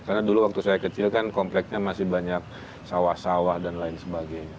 karena dulu waktu saya kecil kan kompleknya masih banyak sawah sawah dan lain sebagainya